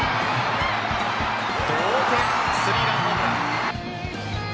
同点３ランホームラン。